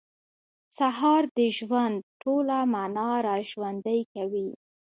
سهار د ژوند ټوله معنا راژوندۍ کوي.